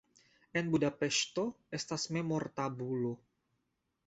En Budapeŝto estas memortabulo.